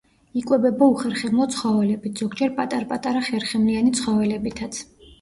იკვებება უხერხემლო ცხოველებით, ზოგჯერ პატარ-პატარა ხერხემლიანი ცხოველებითაც.